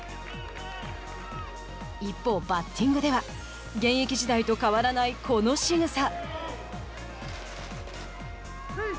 一方、バッティングでは現役時代と変わらないこのしぐさ。